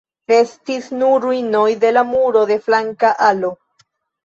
Restis nur ruinoj de la muro de flanka alo.